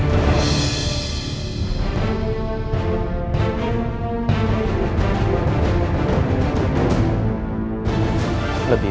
kau tidak bisa mencari aku